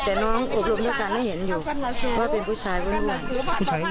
แต่น้องอบรมเหมือนกันไม่เห็นอยู่ว่าเป็นผู้ชายอ้วนอ้วน